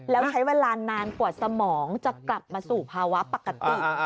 แล้วใช้เวลานานกว่าสมองจะกลับมาสู่ภาวะปกติ